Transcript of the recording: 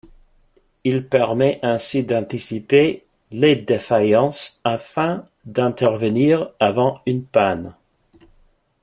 Il permet ainsi d'anticiper les défaillances afin d'intervenir avant une panne.